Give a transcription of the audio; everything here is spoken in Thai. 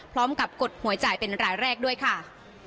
พร้อมกับกฎหัวจ่ายเป็นรายแรกด้วยค่ะ